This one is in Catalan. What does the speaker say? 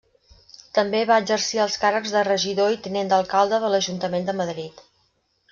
També va exercir els càrrecs de regidor i tinent d'alcalde de l'Ajuntament de Madrid.